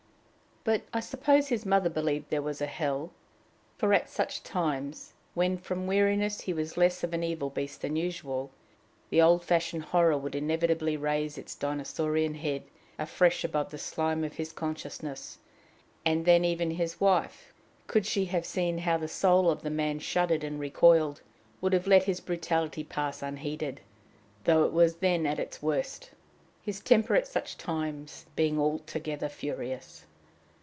But I suppose his mother believed there was a hell, for at such times, when from weariness he was less of an evil beast than usual, the old fashioned horror would inevitably raise its dinosaurian head afresh above the slime of his consciousness; and then even his wife, could she have seen how the soul of the man shuddered and recoiled, would have let his brutality pass unheeded, though it was then at its worst, his temper at such times being altogether furious.